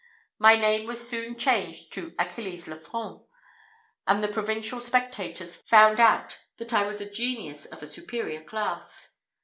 My name was soon changed to Achilles Lefranc, and the provincial spectators found out that I was a genius of a superior class.